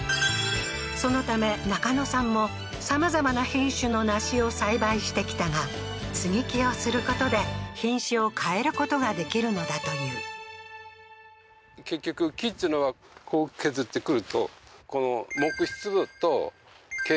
そのため中野さんもさまざまな品種の梨を栽培してきたが接木をすることで品種を変えることができるのだという結局何でもいいんですか？